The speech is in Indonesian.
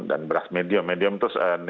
dan beras medium medium itu